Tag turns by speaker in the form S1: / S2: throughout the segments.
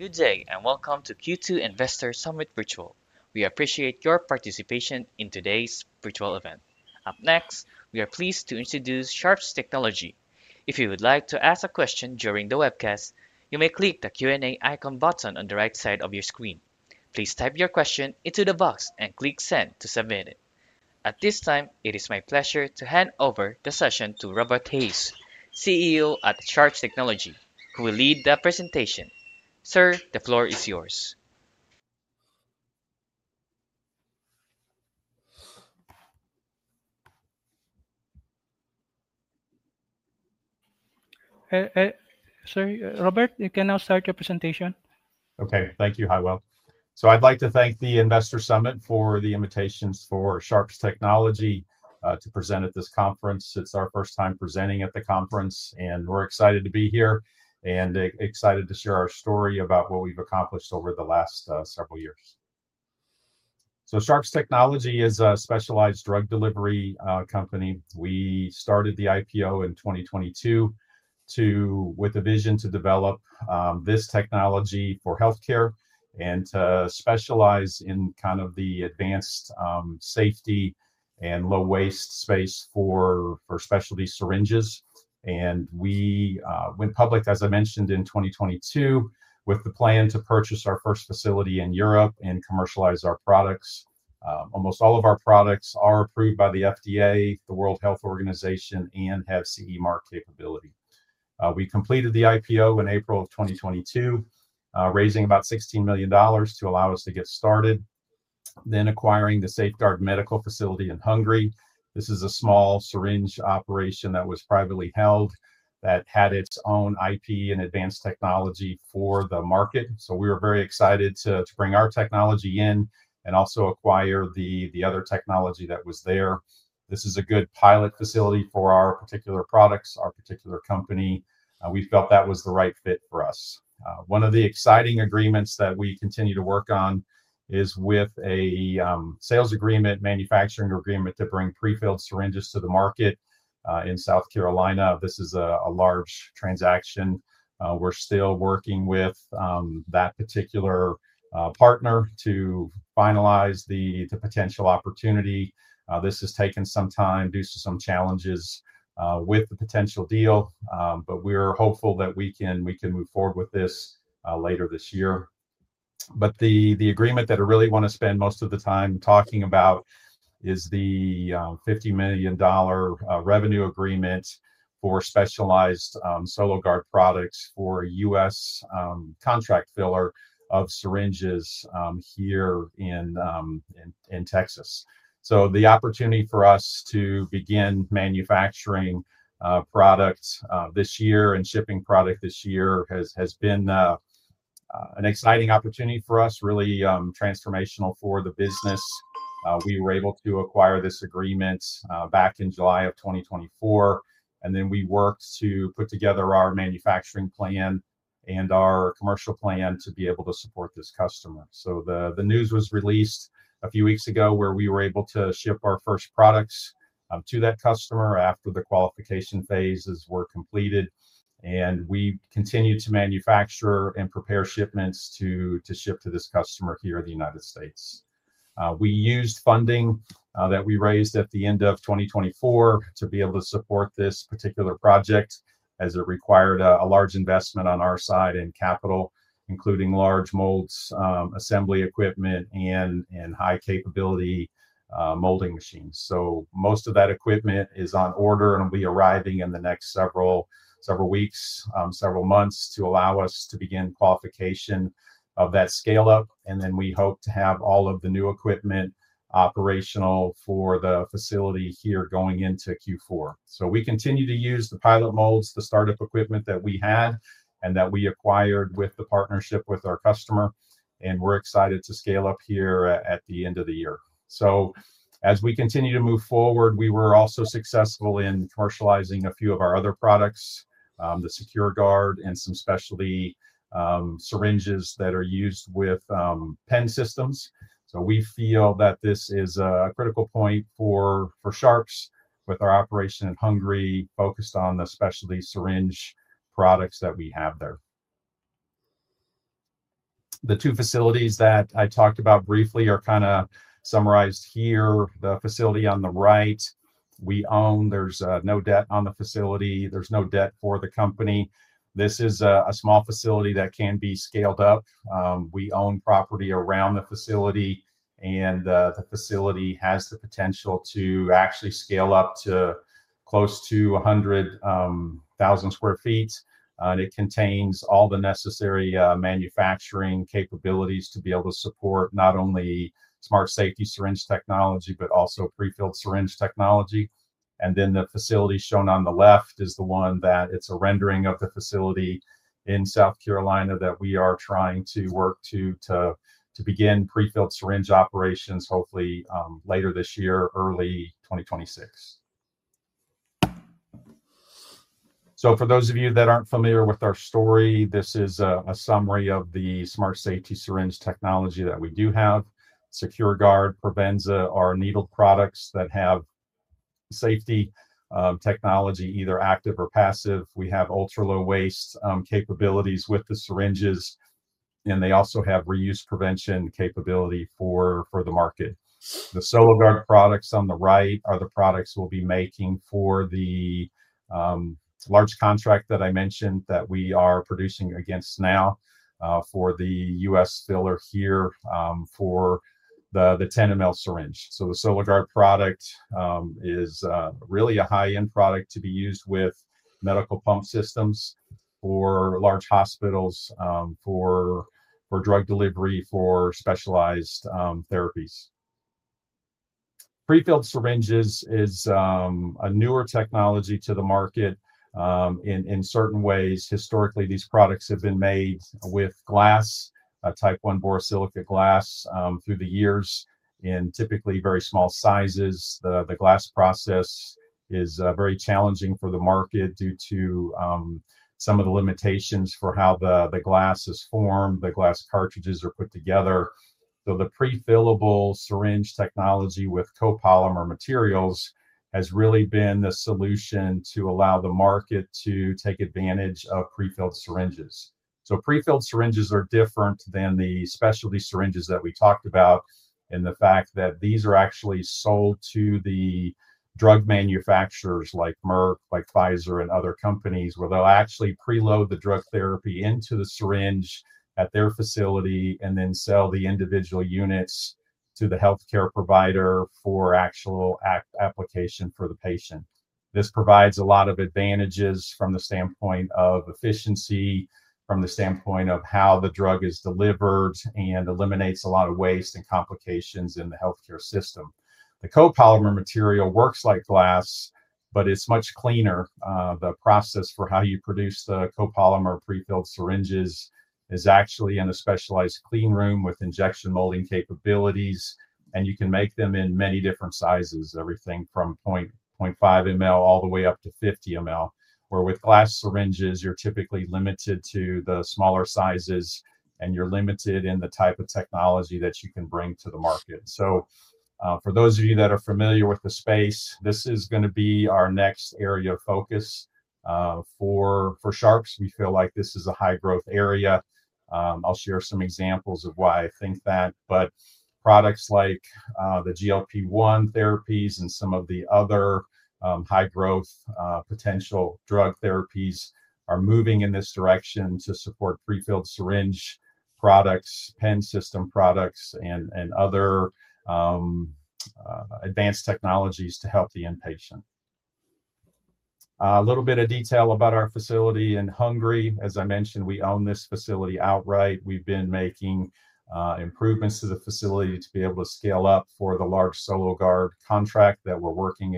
S1: Good day, and welcome to Q2 Investor Summit Virtual. We appreciate your participation in today's virtual event. Up next, we are pleased to introduce Sharps Technology. If you would like to ask a question during the webcast, you may click the Q&A icon button on the right side of your screen. Please type your question into the box and click Send to submit it. At this time, it is my pleasure to hand over the session to Robert Hayes, CEO at Sharps Technology, who will lead the presentation. Sir, the floor is yours.
S2: Hey, hey, sorry, Robert, you can now start your presentation.
S3: Okay, thank you, Hywel. I'd like to thank the Investor Summit for the invitations for Sharps Technology to present at this conference. It's our first time presenting at the conference, and we're excited to be here and excited to share our story about what we've accomplished over the last several years. Sharps Technology is a specialized drug delivery company. We started the IPO in 2022 with a vision to develop this technology for healthcare and to specialize in kind of the advanced safety and low waste space for specialty syringes. We went public, as I mentioned, in 2022 with the plan to purchase our first facility in Europe and commercialize our products. Almost all of our products are approved by the FDA, the World Health Organization, and have CE mark capability. We completed the IPO in April of 2022, raising about $16 million to allow us to get started, then acquiring the Safeguard Medical facility in Hungary. This is a small syringe operation that was privately held that had its own IP and advanced technology for the market. We were very excited to bring our technology in and also acquire the other technology that was there. This is a good pilot facility for our particular products, our particular company. We felt that was the right fit for us. One of the exciting agreements that we continue to work on is with a sales agreement, manufacturing agreement to bring prefilled syringes to the market in South Carolina. This is a large transaction. We are still working with that particular partner to finalize the potential opportunity. This has taken some time due to some challenges with the potential deal, but we are hopeful that we can move forward with this later this year. The agreement that I really want to spend most of the time talking about is the $50 million revenue agreement for specialized SoloGard products for a U.S. contract filler of syringes here in Texas. The opportunity for us to begin manufacturing products this year and shipping product this year has been an exciting opportunity for us, really transformational for the business. We were able to acquire this agreement back in July of 2024, and then we worked to put together our manufacturing plan and our commercial plan to be able to support this customer. The news was released a few weeks ago where we were able to ship our first products to that customer after the qualification phases were completed, and we continue to manufacture and prepare shipments to ship to this customer here in the United States. We used funding that we raised at the end of 2024 to be able to support this particular project as it required a large investment on our side in capital, including large molds, assembly equipment, and high-capability molding machines. Most of that equipment is on order, and will be arriving in the next several weeks, several months to allow us to begin qualification of that scale-up. We hope to have all of the new equipment operational for the facility here going into Q4. We continue to use the pilot molds, the startup equipment that we had and that we acquired with the partnership with our customer, and we're excited to scale up here at the end of the year. As we continue to move forward, we were also successful in commercializing a few of our other products, the SecureGard and some specialty syringes that are used with pen systems. We feel that this is a critical point for Sharps with our operation in Hungary focused on the specialty syringe products that we have there. The two facilities that I talked about briefly are kind of summarized here. The facility on the right we own, there's no debt on the facility, there's no debt for the company. This is a small facility that can be scaled up. We own property around the facility, and the facility has the potential to actually scale up to close to 100,000 sq ft. It contains all the necessary manufacturing capabilities to be able to support not only smart-safety syringe technology, but also prefilled syringe technology. The facility shown on the left is a rendering of the facility in South Carolina that we are trying to work to begin prefilled syringe operations hopefully later this year, early 2026. For those of you that aren't familiar with our story, this is a summary of the smart-safety syringe technology that we do have. SecureGard prevents our needle products that have safety technology either active or passive. We have ultra-low waste capabilities with the syringes, and they also have reuse prevention capability for the market. The SoloGard products on the right are the products we'll be making for the large contract that I mentioned that we are producing against now for the U.S. filler here for the 10 mL syringe. The SoloGard product is really a high-end product to be used with medical pump systems for large hospitals, for drug delivery, for specialized therapies. Prefilled syringes is a newer technology to the market in certain ways. Historically, these products have been made with glass, type 1 borosilicate glass through the years in typically very small sizes. The glass process is very challenging for the market due to some of the limitations for how the glass is formed, the glass cartridges are put together. The prefillable syringe technology with copolymer materials has really been the solution to allow the market to take advantage of prefilled syringes. Prefilled syringes are different than the specialty syringes that we talked about in the fact that these are actually sold to the drug manufacturers like Merck, like Pfizer, and other companies where they'll actually preload the drug therapy into the syringe at their facility and then sell the individual units to the healthcare provider for actual application for the patient. This provides a lot of advantages from the standpoint of efficiency, from the standpoint of how the drug is delivered and eliminates a lot of waste and complications in the healthcare system. The copolymer material works like glass, but it's much cleaner. The process for how you produce the copolymer prefilled syringes is actually in a specialized clean room with injection molding capabilities, and you can make them in many different sizes, everything from 0.5 mL all the way up to 50 mL, where with glass syringes, you're typically limited to the smaller sizes and you're limited in the type of technology that you can bring to the market. For those of you that are familiar with the space, this is going to be our next area of focus. For Sharps, we feel like this is a high-growth area. I'll share some examples of why I think that, but products like the GLP-1 therapies and some of the other high-growth potential drug therapies are moving in this direction to support prefilled syringe products, pen system products, and other advanced technologies to help the inpatient. A little bit of detail about our facility in Hungary. As I mentioned, we own this facility outright. We've been making improvements to the facility to be able to scale up for the large SoloGard contract that we're working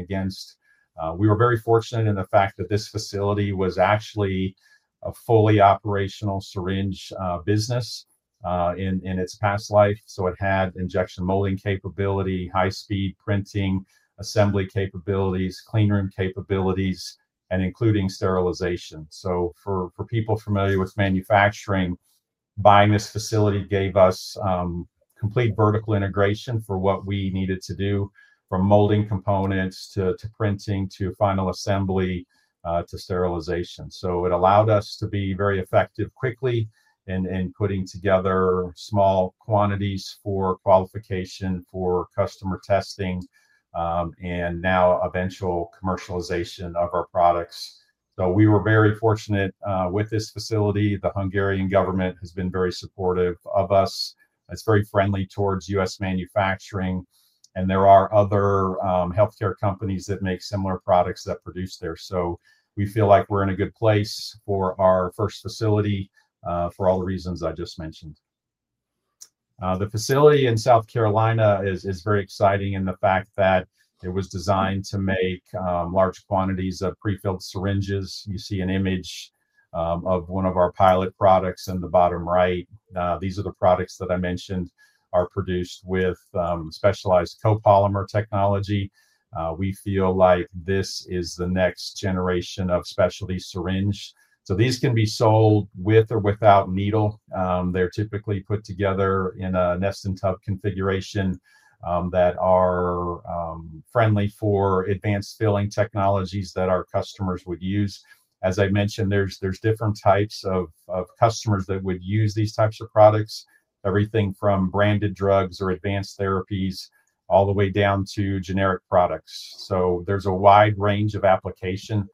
S3: against. We were very fortunate in the fact that this facility was actually a fully operational syringe business in its past life. It had injection molding capability, high-speed printing, assembly capabilities, clean room capabilities, and including sterilization. For people familiar with manufacturing, buying this facility gave us complete vertical integration for what we needed to do from molding components to printing to final assembly to sterilization. It allowed us to be very effective quickly in putting together small quantities for qualification for customer testing and now eventual commercialization of our products. We were very fortunate with this facility. The Hungarian government has been very supportive of us. It's very friendly towards U.S. manufacturing, and there are other healthcare companies that make similar products that produce there. We feel like we're in a good place for our first facility for all the reasons I just mentioned. The facility in South Carolina is very exciting in the fact that it was designed to make large quantities of prefilled syringes. You see an image of one of our pilot products in the bottom right. These are the products that I mentioned are produced with specialized copolymer technology. We feel like this is the next generation of specialty syringe. These can be sold with or without needle. They're typically put together in a nest and tub configuration that are friendly for advanced filling technologies that our customers would use. As I mentioned, there's different types of customers that would use these types of products, everything from branded drugs or advanced therapies all the way down to generic products. There's a wide range of application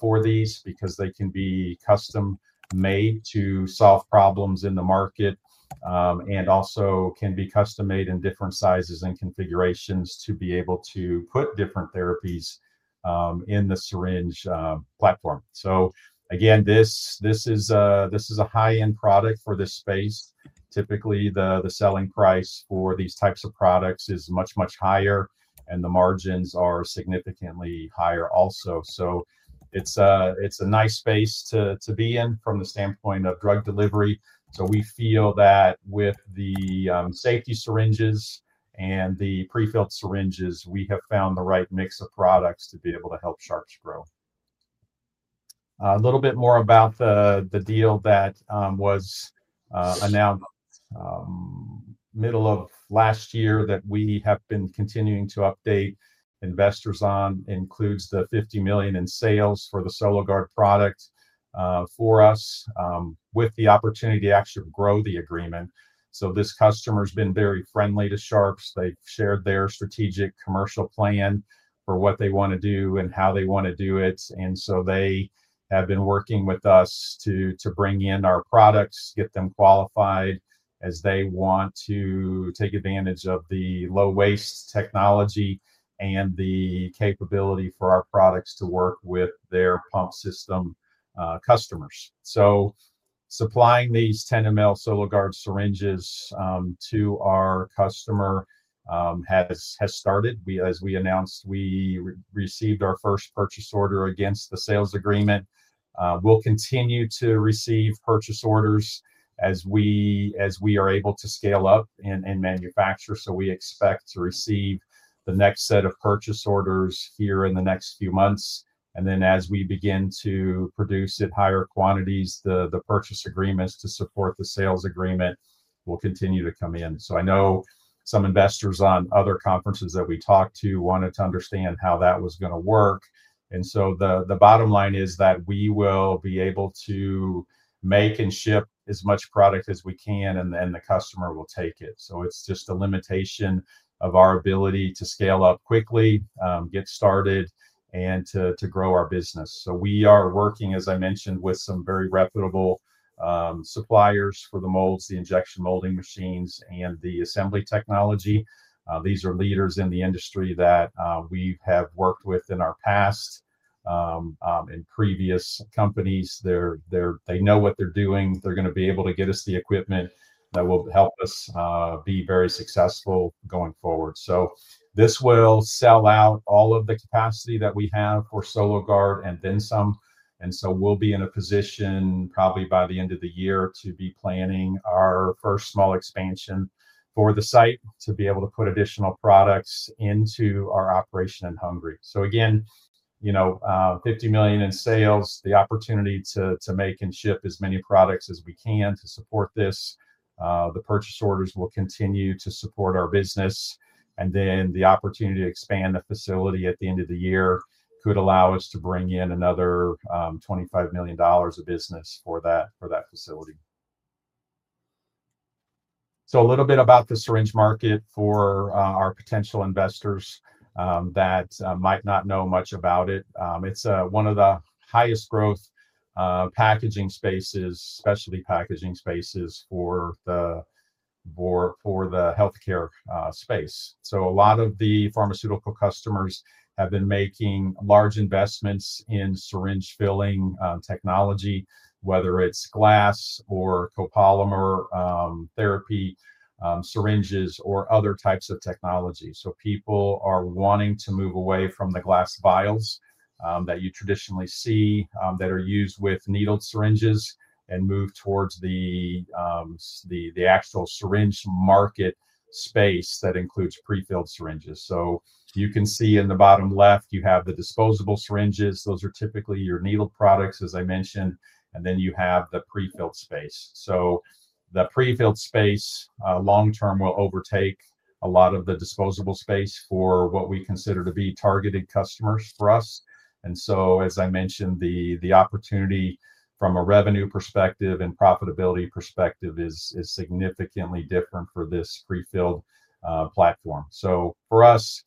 S3: for these because they can be custom-made to solve problems in the market and also can be custom-made in different sizes and configurations to be able to put different therapies in the syringe platform. Again, this is a high-end product for this space. Typically, the selling price for these types of products is much, much higher, and the margins are significantly higher also. It's a nice space to be in from the standpoint of drug delivery. We feel that with the safety syringes and the prefilled syringes, we have found the right mix of products to be able to help Sharps grow. A little bit more about the deal that was announced middle of last year that we have been continuing to update investors on includes the $50 million in sales for the SoloGard product for us with the opportunity to actually grow the agreement. This customer has been very friendly to Sharps. They've shared their strategic commercial plan for what they want to do and how they want to do it. They have been working with us to bring in our products, get them qualified as they want to take advantage of the low-waste technology and the capability for our products to work with their pump system customers. Supplying these 10 mL SoloGard syringes to our customer has started. As we announced, we received our first purchase order against the sales agreement. We'll continue to receive purchase orders as we are able to scale up and manufacture. We expect to receive the next set of purchase orders here in the next few months. As we begin to produce at higher quantities, the purchase agreements to support the sales agreement will continue to come in. I know some investors on other conferences that we talked to wanted to understand how that was going to work. The bottom line is that we will be able to make and ship as much product as we can, and then the customer will take it. It is just a limitation of our ability to scale up quickly, get started, and to grow our business. We are working, as I mentioned, with some very reputable suppliers for the molds, the injection molding machines, and the assembly technology. These are leaders in the industry that we have worked with in our past, in previous companies. They know what they're doing. They're going to be able to get us the equipment that will help us be very successful going forward. This will sell out all of the capacity that we have for SoloGard and then some. We will be in a position probably by the end of the year to be planning our first small expansion for the site to be able to put additional products into our operation in Hungary. Again, $50 million in sales, the opportunity to make and ship as many products as we can to support this. The purchase orders will continue to support our business. The opportunity to expand the facility at the end of the year could allow us to bring in another $25 million of business for that facility. A little bit about the syringe market for our potential investors that might not know much about it. It is one of the highest-growth packaging spaces, specialty packaging spaces for the healthcare space. A lot of the pharmaceutical customers have been making large investments in syringe filling technology, whether it is glass or copolymer therapy syringes or other types of technology. People are wanting to move away from the glass vials that you traditionally see that are used with needle syringes and move towards the actual syringe market space that includes prefilled syringes. You can see in the bottom left, you have the disposable syringes. Those are typically your needle products, as I mentioned. Then you have the prefilled space. The prefilled space long-term will overtake a lot of the disposable space for what we consider to be targeted customers for us. As I mentioned, the opportunity from a revenue perspective and profitability perspective is significantly different for this prefilled platform. For us,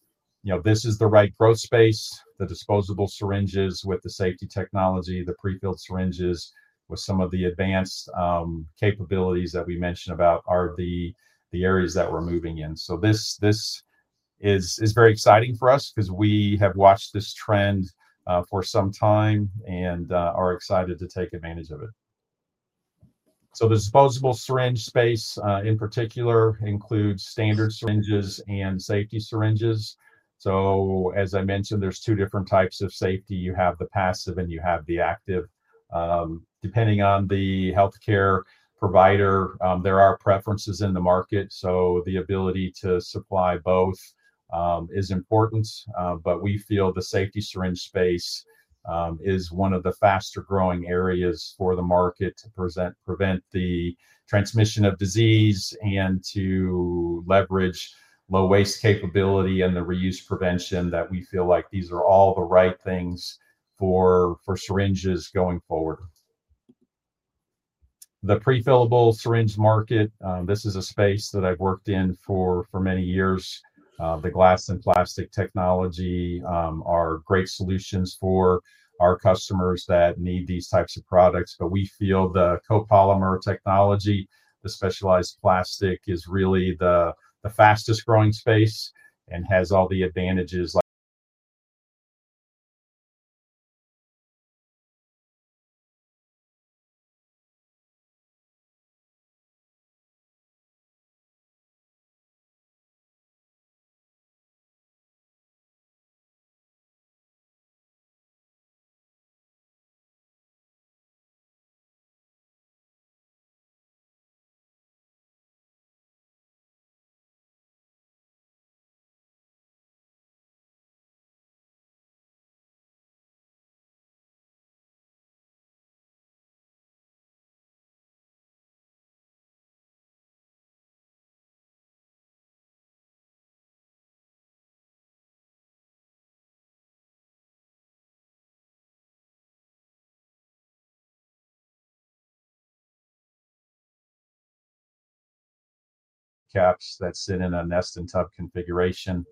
S3: this is the right growth space. The disposable syringes with the safety technology, the prefilled syringes with some of the advanced capabilities that we mentioned about are the areas that we're moving in. This is very exciting for us because we have watched this trend for some time and are excited to take advantage of it. The disposable syringe space in particular includes standard syringes and safety syringes. As I mentioned, there are two different types of safety. You have the passive and you have the active. Depending on the healthcare provider, there are preferences in the market. The ability to supply both is important, but we feel the safety syringe space is one of the faster-growing areas for the market to prevent the transmission of disease and to leverage low-waste capability and the reuse prevention that we feel like these are all the right things for syringes going forward. The prefillable syringe market, this is a space that I've worked in for many years. The glass and plastic technology are great solutions for our customers that need these types of products, but we feel the copolymer technology, the specialized plastic, is really the fastest-growing space and has all the advantages. Caps that sit in a nest and tub configuration.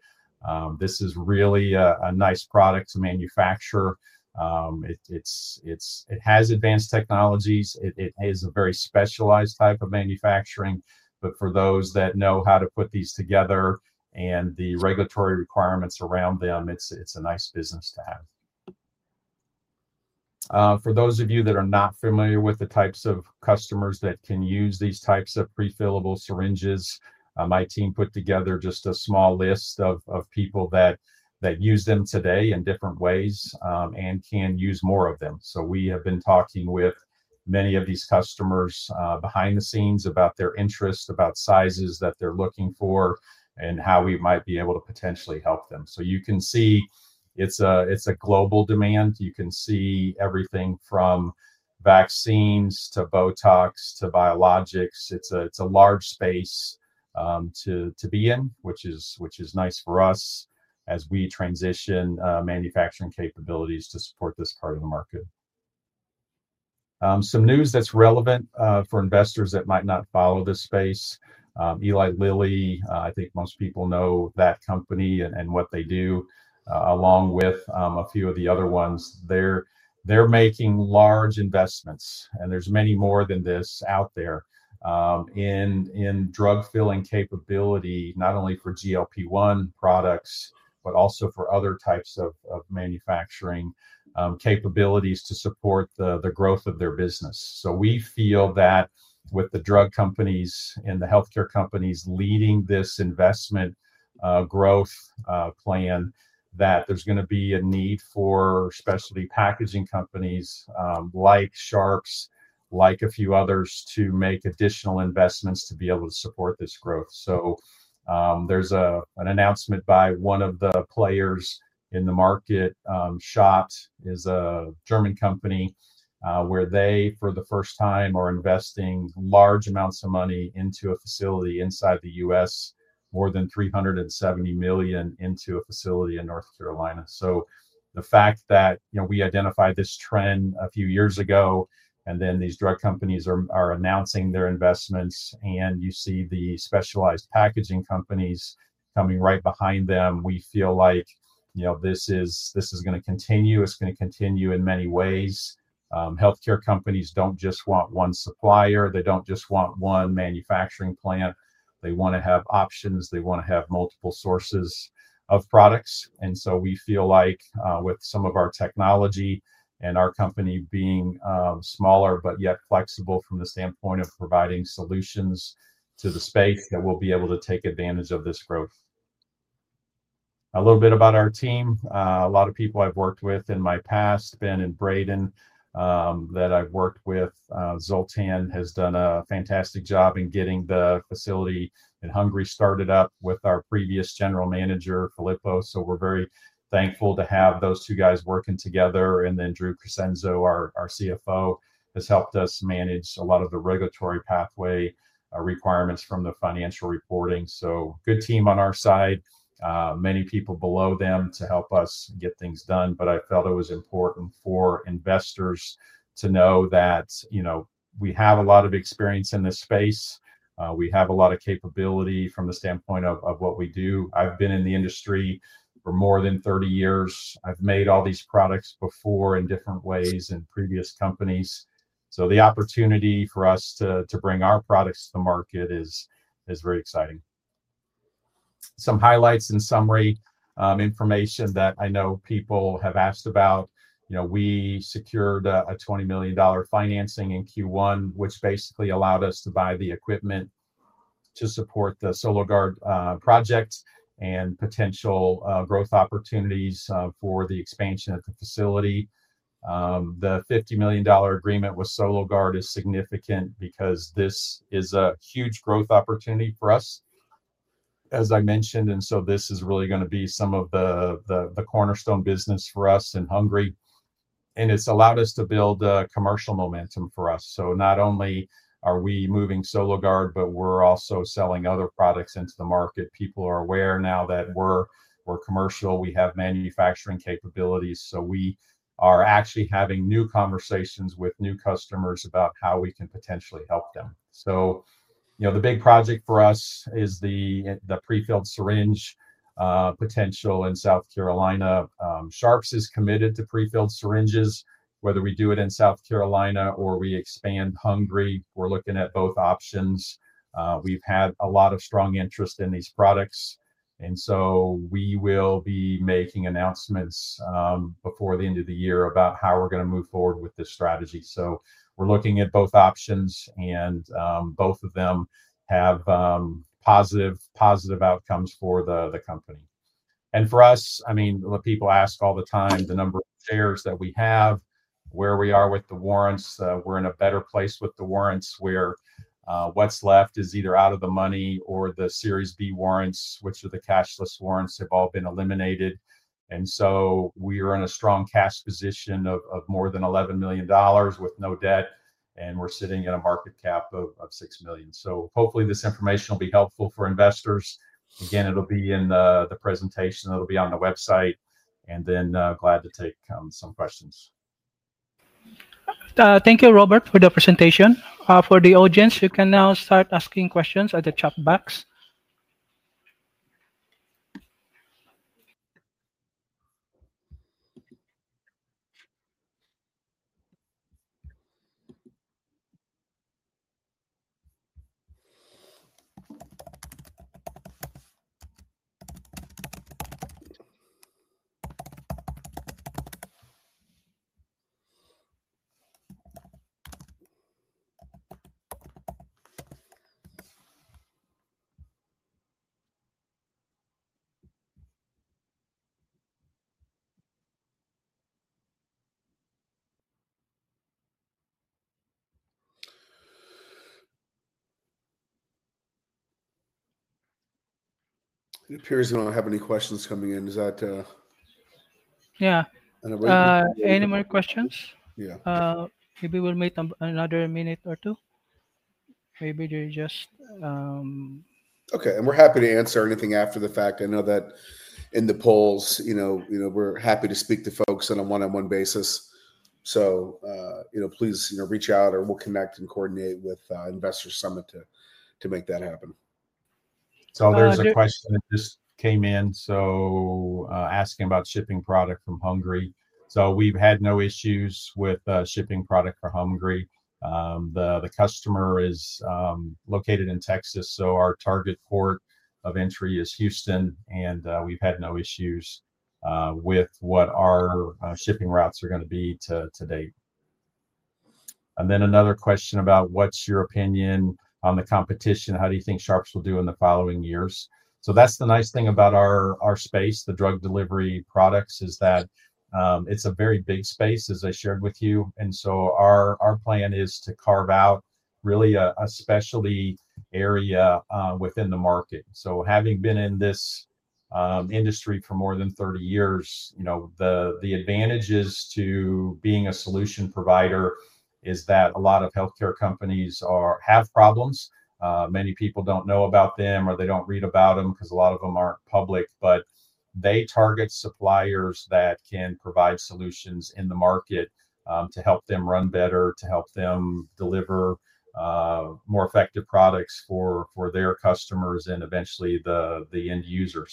S3: This is really a nice product to manufacture. It has advanced technologies. It is a very specialized type of manufacturing, but for those that know how to put these together and the regulatory requirements around them, it's a nice business to have. For those of you that are not familiar with the types of customers that can use these types of prefillable syringes, my team put together just a small list of people that use them today in different ways and can use more of them. We have been talking with many of these customers behind the scenes about their interests, about sizes that they're looking for, and how we might be able to potentially help them. You can see it's a global demand. You can see everything from vaccines to Botox to biologics. It's a large space to be in, which is nice for us as we transition manufacturing capabilities to support this part of the market. Some news that's relevant for investors that might not follow this space. Eli Lilly, I think most people know that company and what they do, along with a few of the other ones. They're making large investments, and there's many more than this out there in drug filling capability, not only for GLP-1 products, but also for other types of manufacturing capabilities to support the growth of their business. We feel that with the drug companies and the healthcare companies leading this investment growth plan, there's going to be a need for specialty packaging companies like Sharps, like a few others to make additional investments to be able to support this growth. There's an announcement by one of the players in the market. SCHOTT is a German company where they, for the first time, are investing large amounts of money into a facility inside the U.S., more than $370 million into a facility in North Carolina. The fact that we identified this trend a few years ago, and then these drug companies are announcing their investments, and you see the specialized packaging companies coming right behind them, we feel like this is going to continue. It's going to continue in many ways. Healthcare companies do not just want one supplier. They do not just want one manufacturing plant. They want to have options. They want to have multiple sources of products. We feel like with some of our technology and our company being smaller but yet flexible from the standpoint of providing solutions to the space, that we will be able to take advantage of this growth. A little bit about our team. A lot of people I've worked with in my past, Ben and Braden, that I've worked with. Zoltan has done a fantastic job in getting the facility in Hungary started up with our previous general manager, Filippo. We are very thankful to have those two guys working together. Drew Crescenzo, our CFO, has helped us manage a lot of the regulatory pathway requirements from the financial reporting. Good team on our side, many people below them to help us get things done. I felt it was important for investors to know that we have a lot of experience in this space. We have a lot of capability from the standpoint of what we do. I've been in the industry for more than 30 years. I've made all these products before in different ways in previous companies. The opportunity for us to bring our products to the market is very exciting. Some highlights and summary information that I know people have asked about. We secured a $20 million financing in Q1, which basically allowed us to buy the equipment to support the SoloGard project and potential growth opportunities for the expansion at the facility. The $50 million agreement with SoloGard is significant because this is a huge growth opportunity for us, as I mentioned. This is really going to be some of the cornerstone business for us in Hungary. It has allowed us to build commercial momentum for us. Not only are we moving SoloGard, but we are also selling other products into the market. People are aware now that we are commercial. We have manufacturing capabilities. We are actually having new conversations with new customers about how we can potentially help them. The big project for us is the prefilled syringe potential in South Carolina. Sharps is committed to prefilled syringes. Whether we do it in South Carolina or we expand Hungary, we're looking at both options. We've had a lot of strong interest in these products. We will be making announcements before the end of the year about how we're going to move forward with this strategy. We're looking at both options, and both of them have positive outcomes for the company. For us, I mean, people ask all the time the number of shares that we have, where we are with the warrants. We're in a better place with the warrants where what's left is either out of the money or the Series B warrants, which are the cashless warrants, have all been eliminated. We are in a strong cash position of more than $11 million with no debt, and we're sitting at a market cap of $6 million. Hopefully this information will be helpful for investors. Again, it'll be in the presentation. It'll be on the website. Glad to take some questions.
S2: Thank you, Robert, for the presentation. For the audience, you can now start asking questions at the chat box. It appears we don't have any questions coming in. Is that? Yeah. Any more questions? Yeah. Maybe we'll wait another minute or two. Maybe they just. Okay. We're happy to answer anything after the fact. I know that in the polls, we're happy to speak to folks on a one-on-one basis. Please reach out, or we'll connect and coordinate with Investor Summit to make that happen.
S3: There's a question that just came in. Asking about shipping product from Hungary. We've had no issues with shipping product from Hungary. The customer is located in Texas. Our target port of entry is Houston, and we've had no issues with what our shipping routes are going to be to date. Another question about what's your opinion on the competition. How do you think Sharps will do in the following years? That's the nice thing about our space, the drug delivery products, is that it's a very big space, as I shared with you. Our plan is to carve out really a specialty area within the market. Having been in this industry for more than 30 years, the advantages to being a solution provider is that a lot of healthcare companies have problems. Many people do not know about them, or they do not read about them because a lot of them are not public. They target suppliers that can provide solutions in the market to help them run better, to help them deliver more effective products for their customers and eventually the end user.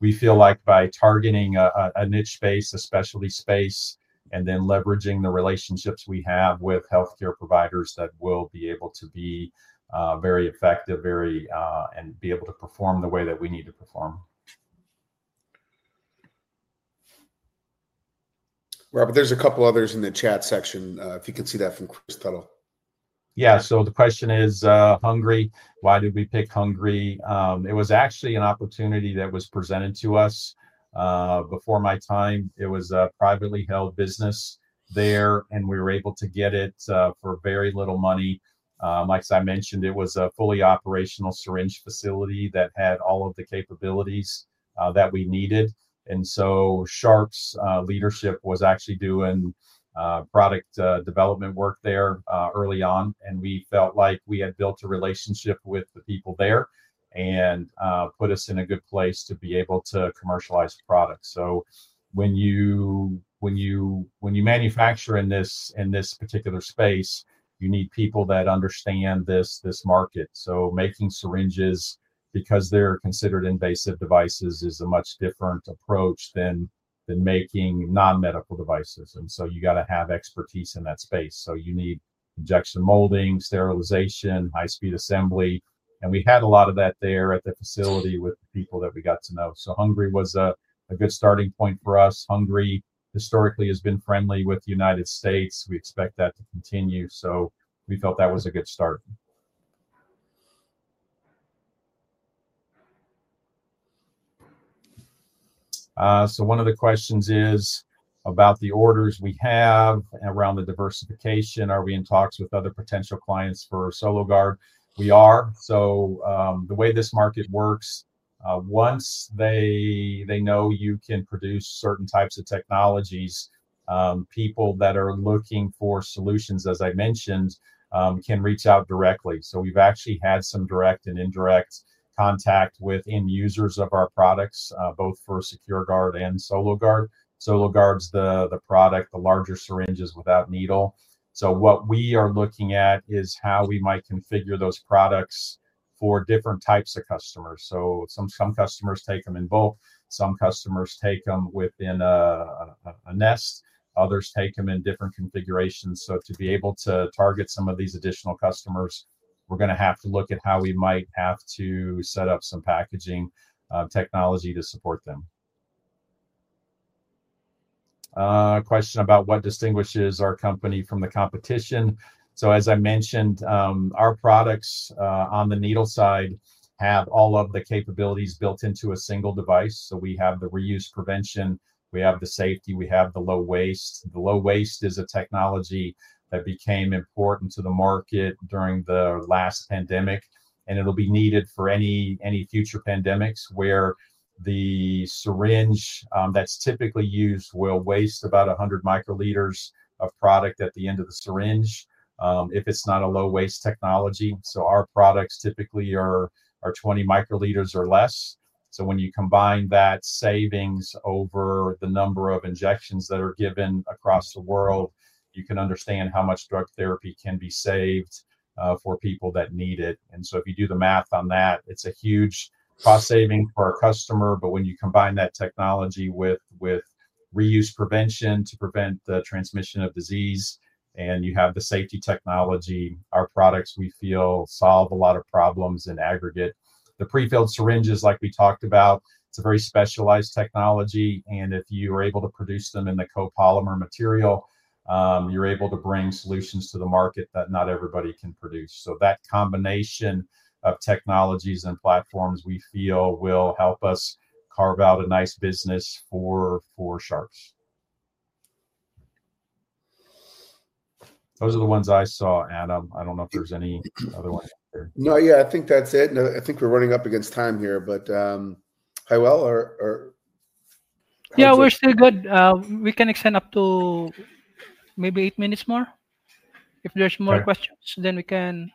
S3: We feel like by targeting a niche space, a specialty space, and then leveraging the relationships we have with healthcare providers, that we will be able to be very effective and be able to perform the way that we need to perform. Robert, there are a couple of others in the chat section. If you can see that from Chris Tuttle. Yeah. The question is Hungary. Why did we pick Hungary? It was actually an opportunity that was presented to us before my time. It was a privately held business there, and we were able to get it for very little money. Like I mentioned, it was a fully operational syringe facility that had all of the capabilities that we needed. Sharps leadership was actually doing product development work there early on. We felt like we had built a relationship with the people there and put us in a good place to be able to commercialize products. When you manufacture in this particular space, you need people that understand this market. Making syringes, because they're considered invasive devices, is a much different approach than making non-medical devices. You have to have expertise in that space. You need injection molding, sterilization, high-speed assembly. We had a lot of that there at the facility with the people that we got to know. Hungary was a good starting point for us. Hungary, historically, has been friendly with the United States. We expect that to continue. We felt that was a good start. One of the questions is about the orders we have around the diversification. Are we in talks with other potential clients for SoloGard? We are. The way this market works, once they know you can produce certain types of technologies, people that are looking for solutions, as I mentioned, can reach out directly. We've actually had some direct and indirect contact with end users of our products, both for SecureGard and SoloGard. SoloGard's the product, the larger syringes without needle. What we are looking at is how we might configure those products for different types of customers. Some customers take them in bulk. Some customers take them within a nest. Others take them in different configurations. To be able to target some of these additional customers, we're going to have to look at how we might have to set up some packaging technology to support them. Question about what distinguishes our company from the competition. As I mentioned, our products on the needle side have all of the capabilities built into a single device. We have the reuse prevention. We have the safety. We have the low waste. The low waste is a technology that became important to the market during the last pandemic. It will be needed for any future pandemics where the syringe that's typically used will waste about 100 microliters of product at the end of the syringe if it's not a low-waste technology. Our products typically are 20 microliters or less. When you combine that savings over the number of injections that are given across the world, you can understand how much drug therapy can be saved for people that need it. If you do the math on that, it's a huge cost saving for our customer. When you combine that technology with reuse prevention to prevent the transmission of disease and you have the safety technology, our products, we feel, solve a lot of problems in aggregate. The prefilled syringes, like we talked about, it's a very specialized technology. If you are able to produce them in the copolymer material, you're able to bring solutions to the market that not everybody can produce. That combination of technologies and platforms, we feel, will help us carve out a nice business for Sharps. Those are the ones I saw, Adam. I do not know if there are any other ones out there. No, yeah, I think that is it. I think we are running up against time here, but Hywel or—
S2: yeah, we are still good. We can extend up to maybe eight minutes more. If there are more questions, then we can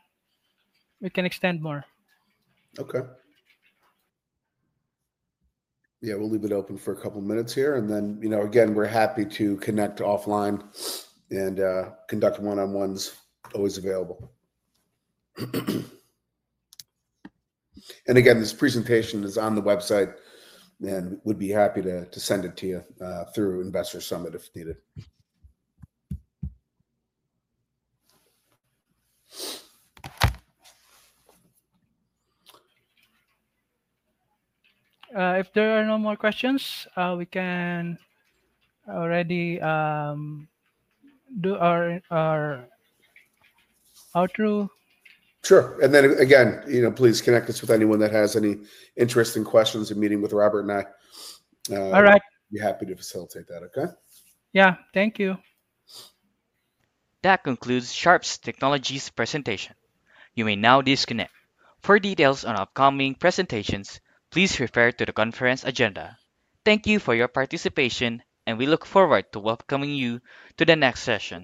S2: extend more. Okay. Yeah, we will leave it open for a couple of minutes here. Again, we are happy to connect offline and conduct one-on-ones, always available. Again, this presentation is on the website and would be happy to send it to you through Investor Summit if needed. If there are no more questions, we can already do our outro. Sure. Again, please connect us with anyone that has any interesting questions in meeting with Robert and I. All right. We will be happy to facilitate that, okay? Yeah. Thank you.
S1: That concludes Sharps Technology's presentation. You may now disconnect. For details on upcoming presentations, please refer to the conference agenda. Thank you for your participation, and we look forward to welcoming you to the next session.